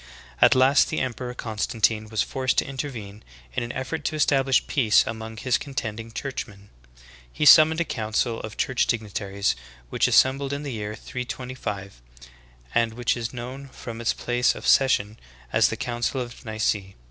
At last the emperor, Constantine, was forced to intervene in an effort to establish peace among his contending churchmen. He summoned a council o. church dignitaries which assembled in the year 325, and which is known from its place of session as the Council of Nice.